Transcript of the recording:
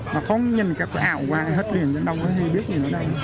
mà không nhìn các ảo qua hết hình dẫn đâu hay biết gì nữa đây